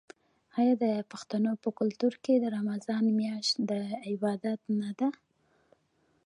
آیا د پښتنو په کلتور کې د رمضان میاشت د عبادت نه ده؟